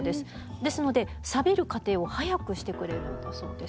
ですのでサビる過程を速くしてくれるんだそうです。